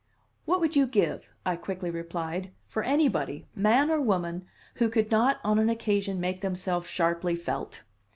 "What would you give," I quickly replied, "for anybody man or woman who could not, on an occasion, make themselves sharply felt?"